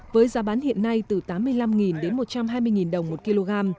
với giá bán hiện nay từ tám mươi năm đến một trăm hai mươi đồng một kg